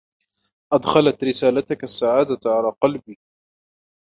أدخلت رسالتك السعادة على قلبي.